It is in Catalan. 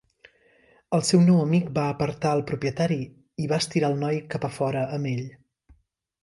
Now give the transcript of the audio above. El seu nou amic va apartar el propietari i va estirar el noi cap a fora amb ell.